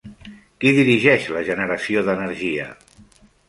Qui dirigeix la generació d'energia?